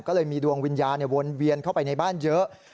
ก็เลยมีดวงวิญญาณวนเวียนเข้าไปในบ้านเยอะ